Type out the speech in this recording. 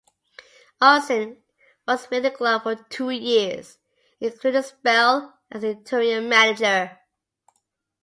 Arnesen was with the club for two years including a spell as interim manager.